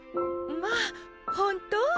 まあ、本当？